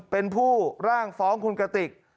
เป็นผู้ร่างฟ้องคุณกติก